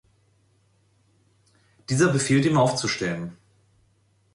Dieser befiehlt ihm aufzustehen.